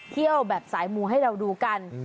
เที่ยวแบบสายมูให้เราดูกัน